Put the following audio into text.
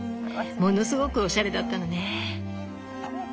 ものすごくおしゃれだったのね。